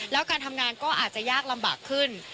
แล้วการทำงานก็อาจจะยากลำบากขึ้น